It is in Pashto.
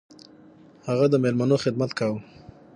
هغه د میلمنو خدمت کاوه.